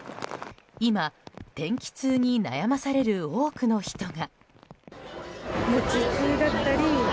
今、天気痛に悩まされる多くの人が。